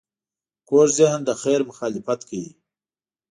کوږ ذهن د خیر مخالفت کوي